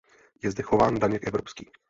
Je zde chován daněk evropský.